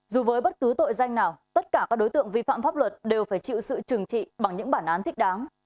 dù với bất cứ tội danh nào tất cả các đối tượng vi phạm pháp luật đều phải chịu sự trừng trị bằng những bản án thích đáng